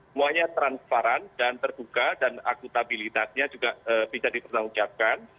semuanya transparan dan terbuka dan akutabilitasnya juga bisa dipertanggungjawabkan